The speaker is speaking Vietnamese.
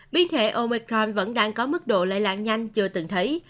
biến thể omicron vẫn đang có mức độ lây lan nhanh chưa từng thấy